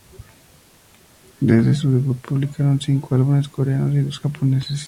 Desde su debut, publicaron cinco álbumes coreanos y dos japoneses.